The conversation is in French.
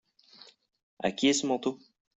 À qui est ce manteau ?